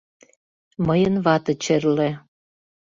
Мыйын вате черле.